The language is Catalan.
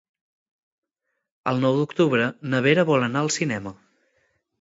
El nou d'octubre na Vera vol anar al cinema.